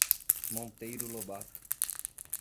Monteiro Lobato